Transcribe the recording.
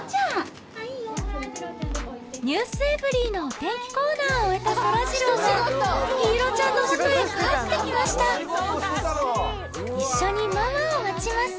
『ｎｅｗｓｅｖｅｒｙ．』のお天気コーナーを終えたそらジローが陽彩ちゃんのもとへ帰ってきました一緒にママを待ちます